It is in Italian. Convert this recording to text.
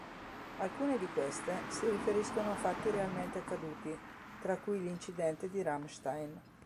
Alcune di queste si riferiscono a fatti realmente accaduti, tra cui l'incidente di Ramstein.